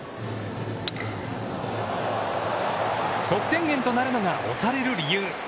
得点源となるのが推される理由。